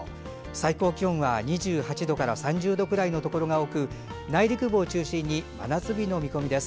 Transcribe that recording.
最高気温は、２８度から３０度くらいのところが多く内陸部を中心に真夏日の見込みです。